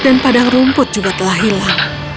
dan padang rumput juga telah hilang